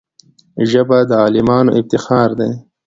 ژبه د عالمانو افتخار دی